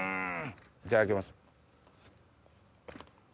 いただきます。